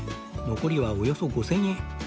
残りはおよそ５０００円